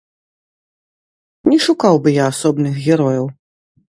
Не шукаў бы я асобных герояў.